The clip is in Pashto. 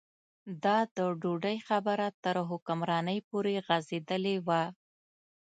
دا د ډوډۍ خبره تر حکمرانۍ پورې غځېدلې وه.